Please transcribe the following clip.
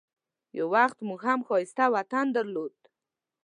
یو وخت موږ هم ښایسته وطن درلود.